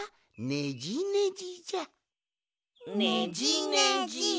ねじねじ。